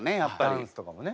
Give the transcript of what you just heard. ダンスとかもね。